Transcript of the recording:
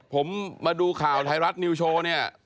ผมมาดูข่าวไทยรัฐนิวโชว์เนี่ย